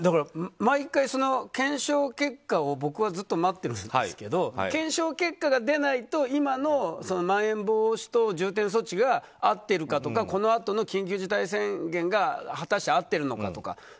毎回、検証結果を僕はずっと待ってるんですけど検証結果が出ないと今のまん延防止等重点措置が合ってるかとか、このあとの緊急事態宣言が果たして果たして合ってるのかとか。